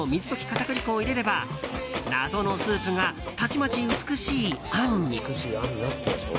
片栗粉を入れれば謎のスープがたちまち美しいあんに。